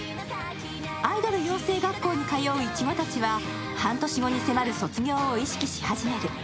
アイドル養成学校に通ういちごたちは半年後に迫る卒業を意識し始める。